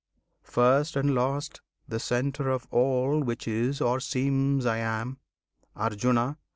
First, and Last, and Centre of all which is or seems I am, Arjuna!